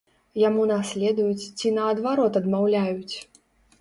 Яму наследуюць ці, наадварот, адмаўляюць?